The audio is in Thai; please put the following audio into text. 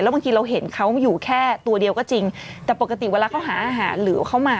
บางทีเราเห็นเขาอยู่แค่ตัวเดียวก็จริงแต่ปกติเวลาเขาหาอาหารหรือเขามา